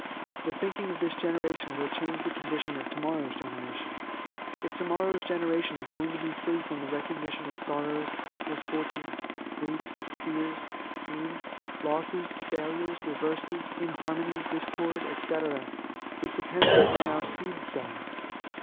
The thinking of this generation will change the condition of tomorrow's generation. If tomorrow's generation is going to be free from the recognition of sorrows, misfortunes, griefs, fears, pain, losses, failures, reverses, inharmony, discord, etc., it depends upon our seed sowing.